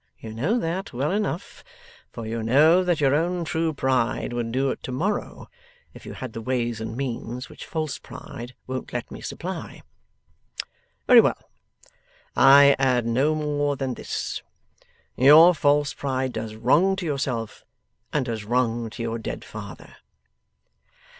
You know that, well enough, for you know that your own true pride would do it to morrow, if you had the ways and means which false pride won't let me supply. Very well. I add no more than this. Your false pride does wrong to yourself and does wrong to your dead father.